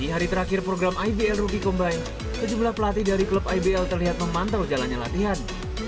di hari terakhir program ibl rookie combine sejumlah pelatih dari klub ibl terlihat memantau jalannya latihan